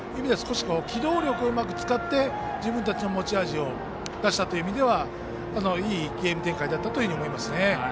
機動力をうまく使って自分たちの持ち味を出したという意味ではいいゲーム展開だったと思います。